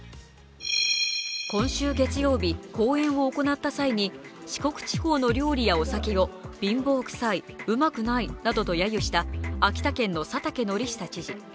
今週月曜日、講演を行った際に四国地方の料理やお酒を貧乏くさい、うまくないなどと揶揄した秋田県の佐竹敬久知事。